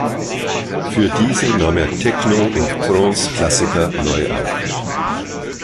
Für diese nahm er Techno- und Trance-Klassiker neu auf.